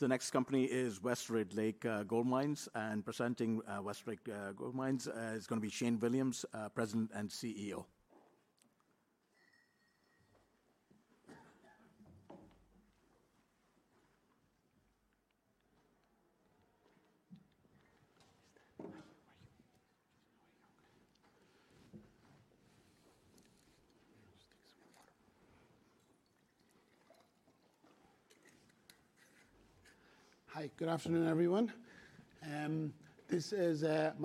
The next company is West Red Lake Gold Mines, and presenting West Red Lake Gold Mines is going to be Shane Williams, President and CEO. Hi, good afternoon, everyone. My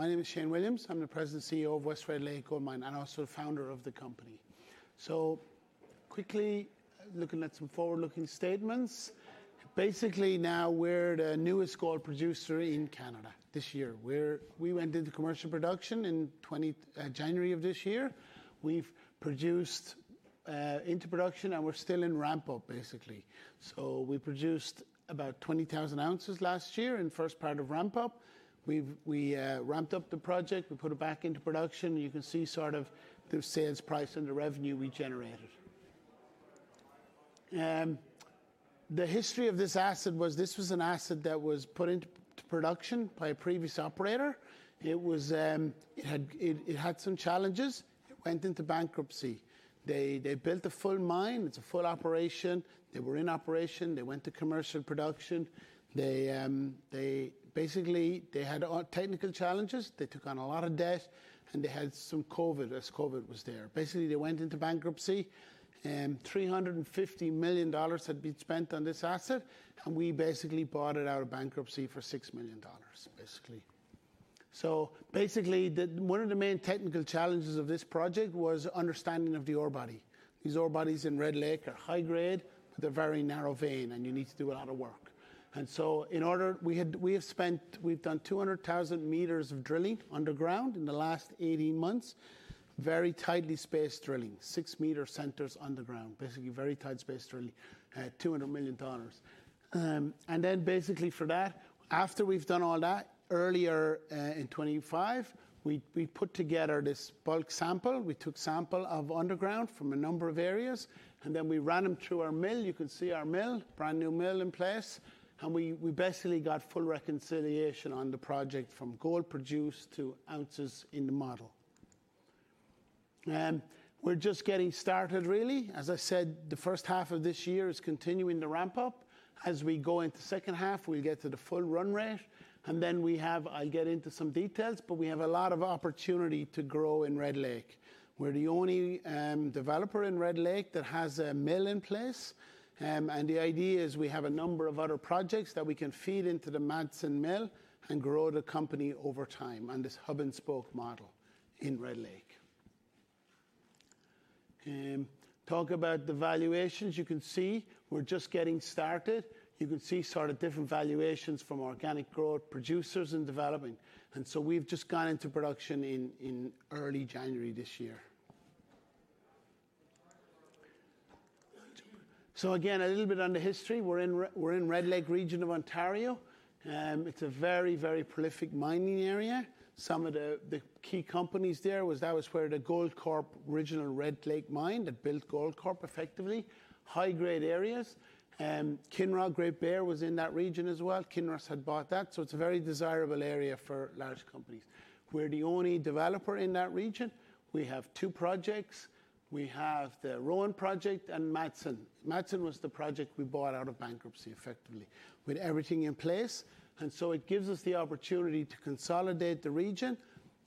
name is Shane Williams. I'm the President and CEO of West Red Lake Gold Mines, and also founder of the company. Quickly looking at some forward-looking statements. Basically now we're the newest gold producer in Canada this year. We went into commercial production in January of this year. We've produced into production and we're still in ramp-up basically. We produced about 20,000 oz last year in the first part of ramp-up. We ramped up the project. We put it back into production. You can see sort of the sales price and the revenue we generated. The history of this asset was, this was an asset that was put into production by a previous operator. It had some challenges. It went into bankruptcy. They built a full mine. It's a full operation. They were in operation. They went to commercial production. Basically, they had technical challenges. They took on a lot of debt, and they had some COVID, as COVID was there. Basically, they went into bankruptcy, and 350 million dollars had been spent on this asset, and we basically bought it out of bankruptcy for 6 million dollars. Basically, one of the main technical challenges of this project was understanding of the ore body. These ore bodies in Red Lake are high grade, but they're very narrow vein, and you need to do a lot of work. In order, we've done 200,000 m of drilling underground in the last 18 months, very tightly spaced drilling, 6 m centers underground, basically very tight spaced drilling at 200 million dollars. Basically for that, after we've done all that, earlier in 2025, we put together this bulk sample. We took samples from underground from a number of areas, and then we ran them through our mill. You can see our mill, brand new mill in place, and we basically got full reconciliation on the project from gold produced to ounces in the model. We're just getting started, really. As I said, the first half of this year is continuing the ramp-up. As we go into second half, we'll get to the full run rate, and then we have. I'll get into some details, but we have a lot of opportunity to grow in Red Lake. We're the only developer in Red Lake that has a mill in place, and the idea is we have a number of other projects that we can feed into the Madsen Mill and grow the company over time on this hub-and-spoke model in Red Lake. Talk about the valuations. You can see we're just getting started. You can see sort of different valuations from organic growth producers and developing. We've just gone into production in early January this year. Again, a little bit on the history. We're in Red Lake region of Ontario. It's a very prolific mining area. Some of the key companies there was, that was where the Goldcorp original Red Lake mine that built Goldcorp effectively. High-grade areas. Kinross Great Bear was in that region as well. Kinross had bought that, so it's a very desirable area for large companies. We're the only developer in that region. We have two projects. We have the Rowan project and Madsen. Madsen was the project we bought out of bankruptcy, effectively, with everything in place, and so it gives us the opportunity to consolidate the region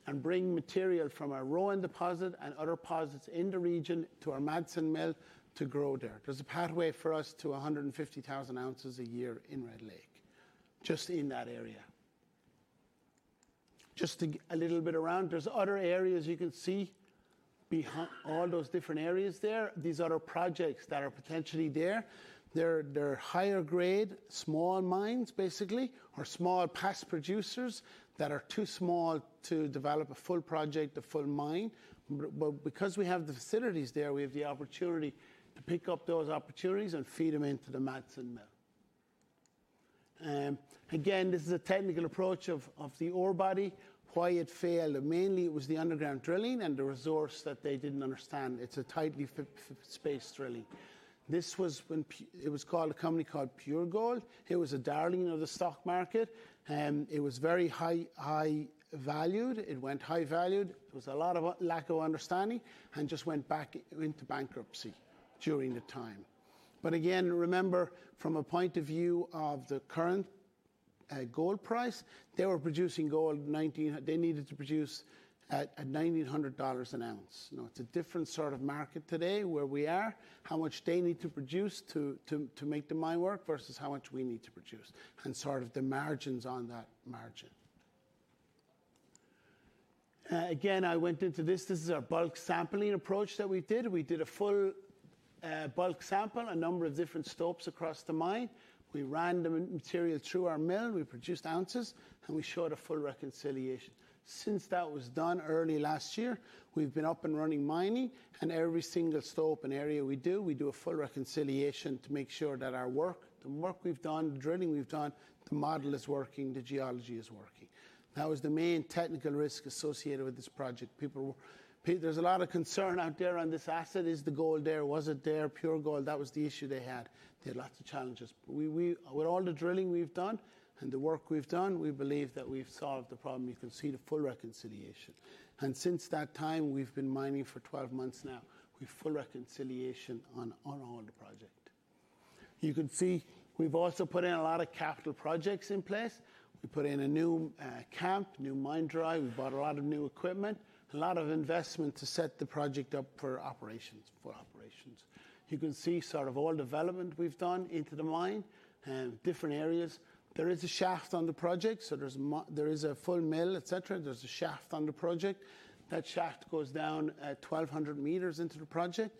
and bring material from our Rowan deposit and other deposits in the region to our Madsen mill to grow there. There's a pathway for us to 150,000 oz/year in Red Lake, just in that area. Just a little bit around. There's other areas you can see behind all those different areas there. These other projects that are potentially there, they're higher grade, small mines, basically, or small past producers that are too small to develop a full project, a full mine. Because we have the facilities there, we have the opportunity to pick up those opportunities and feed them into the Madsen mill. Again, this is a technical approach of the ore body, why it failed, and mainly it was the underground drilling and the resource that they didn't understand. It's a tightly spaced drilling. This was when it was called a company called PureGold. It was a darling of the stock market. It was very high valued. It went high valued. It was a lot of lack of understanding and just went back into bankruptcy during the time. Again, remember from a point of view of the current gold price, they needed to produce at $1,900/oz. Now, it's a different sort of market today where we are, how much they need to produce to make the mine work versus how much we need to produce and sort of the margins on that margin. Again, I went into this. This is our bulk sampling approach that we did. We did a full bulk sample, a number of different stopes across the mine. We ran the material through our mill, we produced ounces, and we showed a full reconciliation. Since that was done early last year, we've been up and running mining, and every single stope and area we do, we do a full reconciliation to make sure that our work, the work we've done, the drilling we've done. The model is working, the geology is working. That was the main technical risk associated with this project. There's a lot of concern out there on this asset. Is the gold there? Was it there, PureGold? That was the issue they had. They had lots of challenges. With all the drilling we've done and the work we've done, we believe that we've solved the problem. You can see the full reconciliation. Since that time, we've been mining for 12 months now, with full reconciliation on our adit project. You can see we've also put in a lot of capital projects in place. We put in a new camp, new mine dry. We bought a lot of new equipment, a lot of investment to set the project up for operations. You can see sort of all development we've done into the mine, different areas. There is a shaft on the project, so there is a full mill, et cetera. There's a shaft on the project. That shaft goes down at 1,200 m into the project.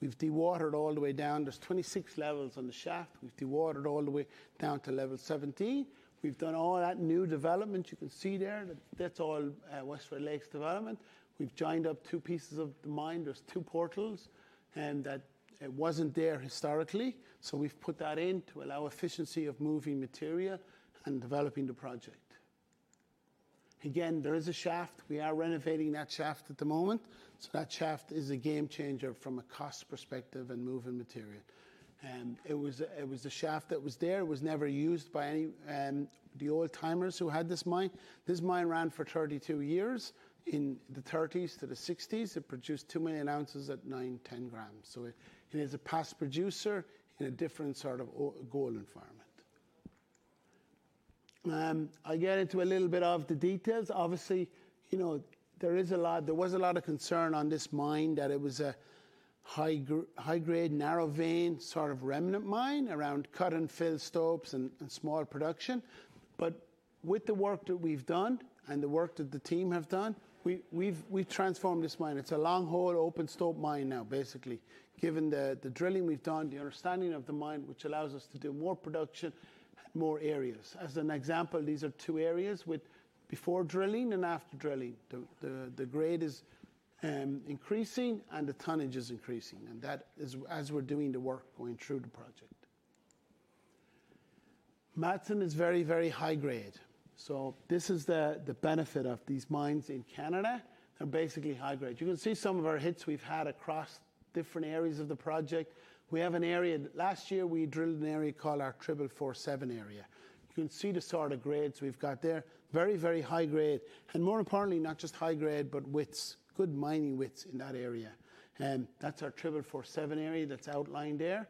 We've dewatered all the way down. There's 26 levels on the shaft. We've dewatered all the way down to level 17. We've done all that new development. You can see there that that's all West Red Lake's development. We've joined up two pieces of the mine. There's two portals and that it wasn't there historically. We've put that in to allow efficiency of moving material and developing the project. Again, there is a shaft. We are renovating that shaft at the moment. That shaft is a game changer from a cost perspective and moving material. It was a shaft that was there, was never used by the old-timers who had this mine. This mine ran for 32 years in the 1930s to the 1960s. It produced 2 million oz at 9 g-10 g. It is a past producer in a different sort of gold environment. I get into a little bit of the details. Obviously, there was a lot of concern on this mine that it was a high-grade, narrow vein, sort of remnant mine around cut and fill stopes and small production. With the work that we've done and the work that the team have done, we've transformed this mine. It's a long-hole open stope mine now, basically, given the drilling we've done, the understanding of the mine, which allows us to do more production, more areas. As an example, these are two areas with before drilling and after drilling. The grade is increasing and the tonnage is increasing and that is as we're doing the work going through the project. Madsen is very high grade. This is the benefit of these mines in Canada. They're basically high grade. You can see some of our hits we've had across different areas of the project. Last year we drilled an area called our 4447 area. You can see the sort of grades we've got there. Very high grade, and more importantly, not just high grade, but widths, good mining widths in that area. That's our 4447 area that's outlined there.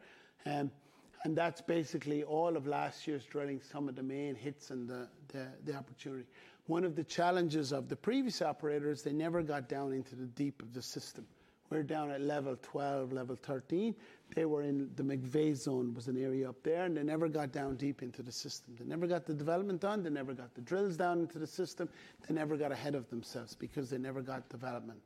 That's basically all of last year's drilling, some of the main hits and the opportunity. One of the challenges of the previous operators, they never got down into the deep of the system. We're down at level 12, level 13. They were in the McVeigh Zone, was an area up there, and they never got down deep into the system. They never got the development done. They never got the drills down into the system. They never got ahead of themselves because they never got development.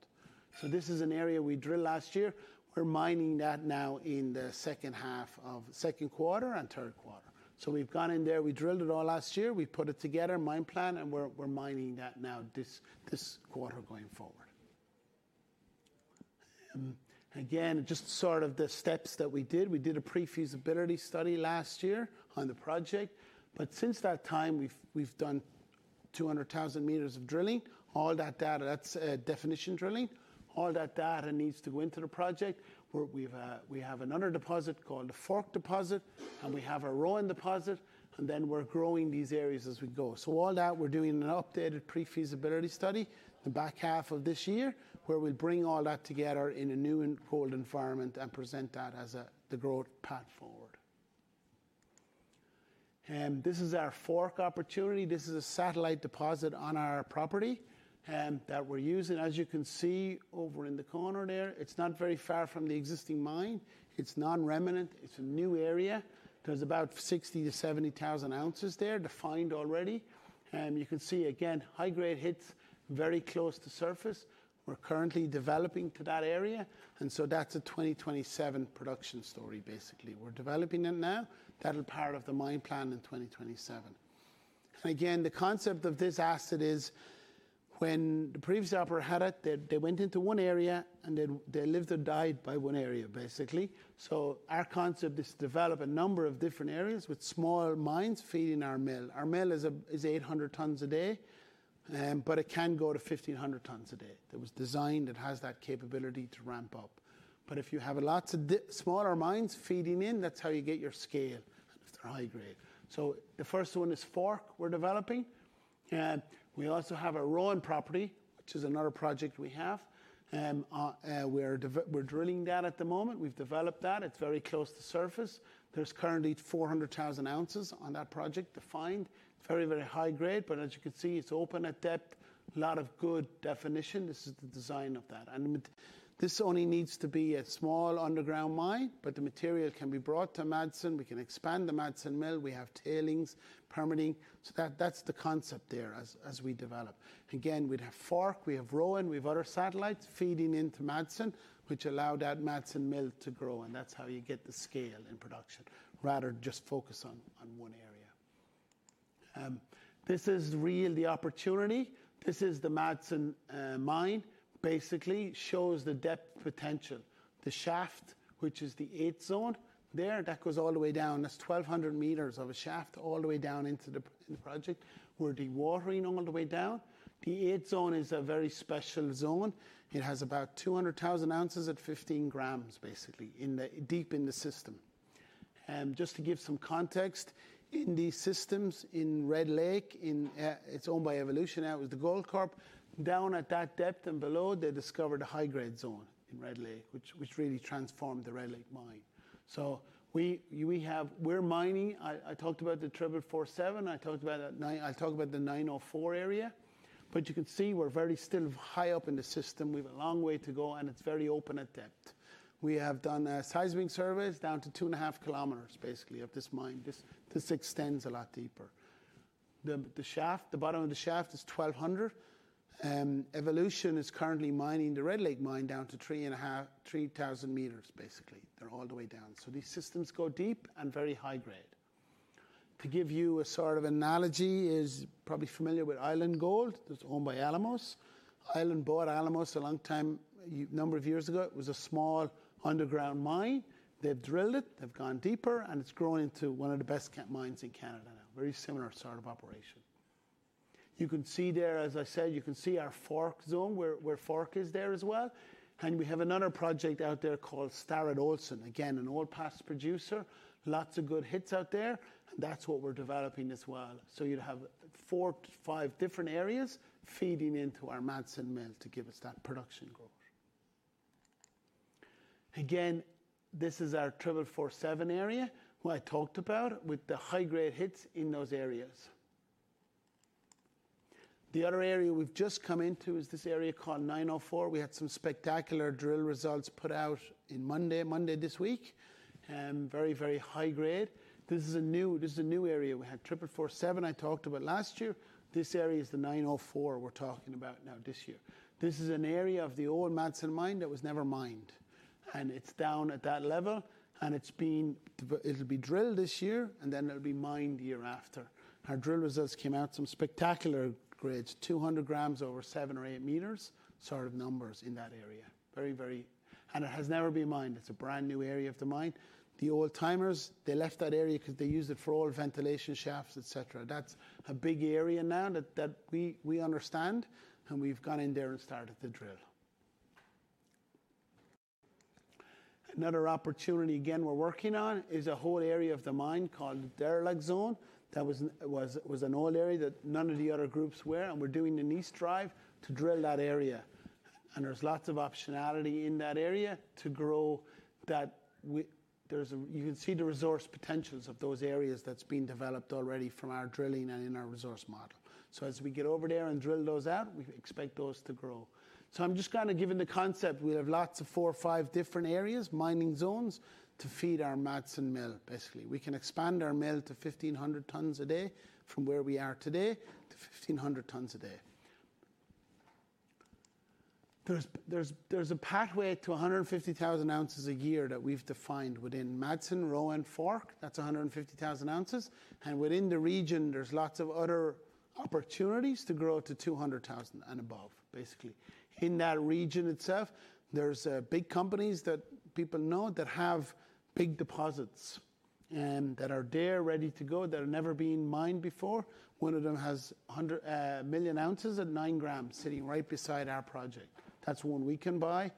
This is an area we drilled last year. We're mining that now in the second half of second quarter and third quarter. We've gone in there, we drilled it all last year. We put it together, mine plan, and we're mining that now, this quarter going forward. Again, just sort of the steps that we did. We did a pre-feasibility study last year on the project. Since that time, we've done 200,000 m of drilling. All that data, that's definition drilling. All that data needs to go into the project where we have another deposit called the Fork deposit, and we have a Rowan deposit, and then we're growing these areas as we go. All that, we're doing an updated pre-feasibility study the back half of this year, where we'll bring all that together in a new gold environment and present that as the growth path forward. This is our Fork opportunity. This is a satellite deposit on our property that we're using. As you can see over in the corner there, it's not very far from the existing mine. It's non-remnant. It's a new area. There's about 60,000 oz-70,000 oz there defined already. You can see again, high grade hits very close to surface. We're currently developing to that area, and so that's a 2027 production story, basically. We're developing it now. That'll be part of the mine plan in 2027. Again, the concept of this asset is when the previous operator had it, they went into one area and they lived and died by one area, basically. Our concept is to develop a number of different areas with smaller mines feeding our mill. Our mill is 800 tons/day, but it can go to 1,500 tons/day. It was designed, it has that capability to ramp up. If you have lots of smaller mines feeding in, that's how you get your scale if they're high grade. The first one is Fork we're developing. We also have a Rowan property, which is another project we have. We're drilling that at the moment. We've developed that. It's very close to surface. There's currently 400,000 oz on that project defined. It's very high grade, but as you can see, it's open at depth. A lot of good definition. This is the design of that. This only needs to be a small underground mine, but the material can be brought to Madsen. We can expand the Madsen mill. We have tailings permitting. That's the concept there as we develop. We'd have Fork, we have Rowan, we have other satellites feeding into Madsen, which allow that Madsen mill to grow, and that's how you get the scale in production, rather than just focus on one area. This is really the opportunity. This is the Madsen Mine, basically shows the depth potential. The shaft, which is the 8 Zone there, that goes all the way down. That's 1,200 m of a shaft all the way down into the project. We're dewatering all the way down. The 8 Zone is a very special zone. It has about 200,000 oz at 15 g, basically, deep in the system. Just to give some context, in these systems in Red Lake, it's owned by Evolution now. It was the Goldcorp. Down at that depth and below, they discovered a high-grade zone in Red Lake, which really transformed the Red Lake mine. We're mining. I talked about the 4447. I talked about the 904 area, but you can see we're very still high up in the system. We've a long way to go, and it's very open at depth. We have done seismic surveys down to 2.5 km, basically, of this mine. This extends a lot deeper. The bottom of the shaft is 1,200 m, and Evolution is currently mining the Red Lake mine down to 3,000 m, basically. They're all the way down. These systems go deep and very high grade. To give you a sort of analogy you're probably familiar with Island Gold. That's owned by Alamos. Alamos bought Island a long time, a number of years ago. It was a small underground mine. They've drilled it, they've gone deeper, and it's grown into one of the best mines in Canada now. Very similar sort of operation. You can see there, as I said, you can see our Fork zone, where Fork is there as well. We have another project out there called Starratt-Olsen. Again, an old past producer. Lots of good hits out there, and that's what we're developing as well. You'd have four to five different areas feeding into our Madsen mill to give us that production growth. Again, this is our 4447 area, what I talked about with the high-grade hits in those areas. The other area we've just come into is this area called 904. We had some spectacular drill results put out on Monday this week, and very high grade. This is a new area. We had 4447 I talked about last year. This area is the 904 we're talking about now this year. This is an area of the old Madsen Mine that was never mined, and it's down at that level, and it'll be drilled this year, and then it'll be mined the year after. Our drill results came out some spectacular grades, 200 g over 7 m or 8 m, sort of, numbers in that area. It has never been mined. It's a brand-new area of the mine. The old-timers, they left that area because they used it for all ventilation shafts, et cetera. That's a big area now that we understand, and we've gone in there and started to drill. Another opportunity, again, we're working on is a whole area of the mine called Derelict Zone. That was an old area that none of the other groups were, and we're doing the decline to drill that area. There's lots of optionality in that area to grow. You can see the resource potentials of those areas that's been developed already from our drilling and in our resource model. As we get over there and drill those out, we expect those to grow. I'm just giving the concept. We have lots of four or five different areas, mining zones, to feed our Madsen Mill, basically. We can expand our mill to 1,500 tons/day from where we are today to 1,500 tons/day. There's a pathway to 150,000 oz/year that we've defined within Madsen, Rowan and Fork. That's 150,000 oz. Within the region, there's lots of other opportunities to grow to 200,000 oz and above, basically. In that region itself, there's big companies that people know that have big deposits, and that are there ready to go, that have never been mined before. One of them has 100,000,000 oz and 9 g sitting right beside our project. That's one we can buy.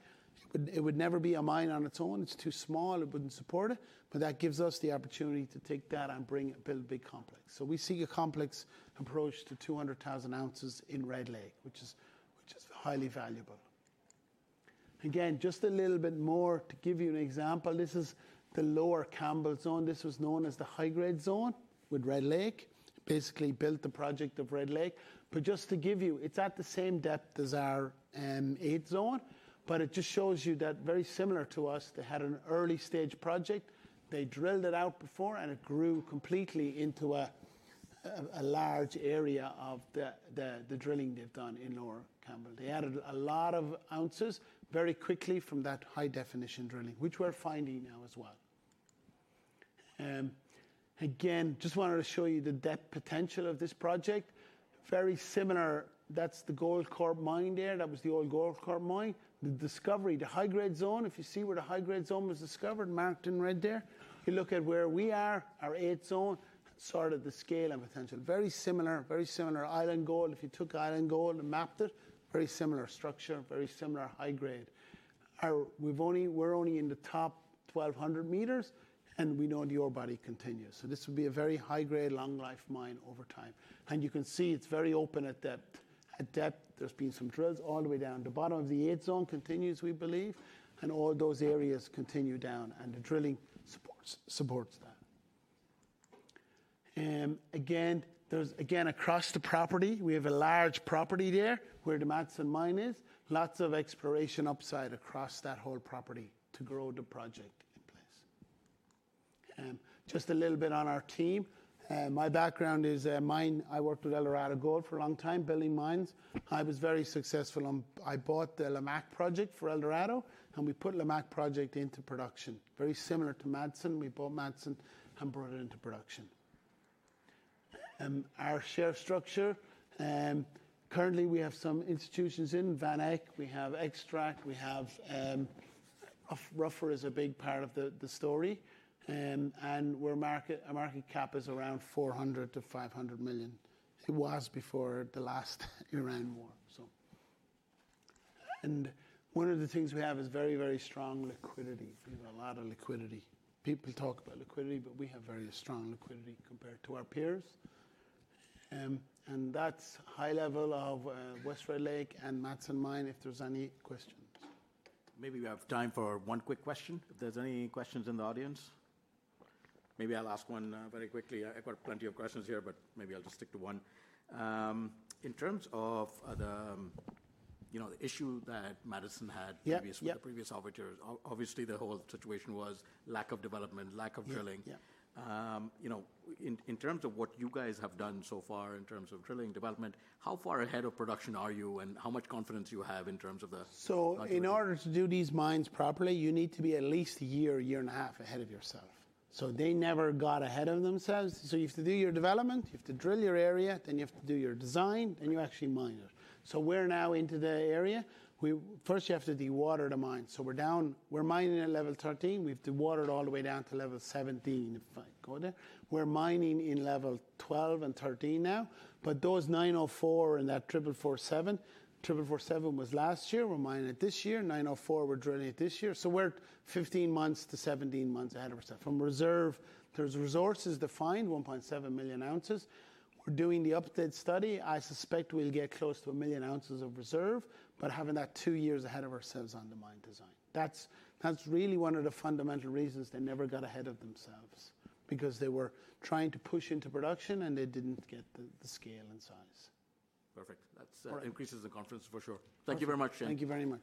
It would never be a mine on its own. It's too small. It wouldn't support it. That gives us the opportunity to take that and build a big complex. We see a complex approach to 200,000 oz in Red Lake, which is highly valuable. Again, just a little bit more to give you an example. This is the Lower Campbell Zone. This was known as the high-grade zone with Red Lake. Basically built the project of Red Lake. Just to give you, it's at the same depth as our 8 Zone, but it just shows you that very similar to us, they had an early-stage project. They drilled it out before, and it grew completely into a large area of the drilling they've done in Lower Campbell. They added a lot of ounces very quickly from that definition drilling, which we're finding now as well. Again, just wanted to show you the depth potential of this project. Very similar. That's the Goldcorp mine there. That was the old Goldcorp mine. The discovery, the high-grade zone, if you see where the high-grade zone was discovered, marked in red there. If you look at where we are, our 8 Zone, sort of the scale and potential. Very similar. Island Gold, if you took Island Gold and mapped it, very similar structure, very similar high grade. We're only in the top 1,200 m, and we know the ore body continues. So this would be a very high-grade, long-life mine over time. You can see it's very open at depth. At depth, there's been some drills all the way down. The bottom of the 8 Zone continues, we believe, and all those areas continue down, and the drilling supports that. Again, across the property, we have a large property there where the Madsen Mine is. Lots of exploration upside across that whole property to grow the project in place. Just a little bit on our team. My background is mining. I worked with Eldorado Gold for a long time building mines. I was very successful. I bought the Lamaque project for Eldorado, and we put Lamaque project into production, very similar to Madsen. We bought Madsen and brought it into production. Our share structure. Currently we have some institutions in VanEck, we have Xtrackers, we have Ruffer is a big part of the story, and our market cap is around 400 million-500 million. It was before the last tariff war. One of the things we have is very, very strong liquidity. We have a lot of liquidity. People talk about liquidity, but we have very strong liquidity compared to our peers. That's high level of West Red Lake and Madsen Mine, if there's any questions. Maybe we have time for one quick question, if there's any questions in the audience. Maybe I'll ask one very quickly. I've got plenty of questions here, but maybe I'll just stick to one. In terms of the issue that Madsen had. Yeah. Previously with the previous operators, obviously the whole situation was lack of development, lack of drilling. Yeah. In terms of what you guys have done so far in terms of drilling development, how far ahead of production are you, and how much confidence you have in terms of the? In order to do these mines properly, you need to be at least a year and a half ahead of yourself. They never got ahead of themselves. You have to do your development, you have to drill your area, then you have to do your design, then you actually mine it. We're now into the area. First you have to dewater the mine. We're mining at level 13. We've dewatered all the way down to level 17, if I go there. We're mining in level 12 and 13 now, but those 904 and that 4447 was last year, we're mining it this year, 904, we're drilling it this year. We're 15 months to 17 months ahead of ourself. From reserve, there's resources defined, 1.7 million oz. We're doing the updated study. I suspect we'll get close to 1,000,000 oz of reserve but having that two years ahead of ourselves on the mine design. That's really one of the fundamental reasons they never got ahead of themselves, because they were trying to push into production, and they didn't get the scale and size. Perfect. That increases the confidence for sure. Thank you very much, Shane. Thank you very much.